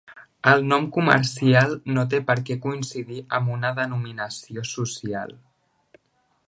El nom comercial no té per què coincidir amb una denominació social.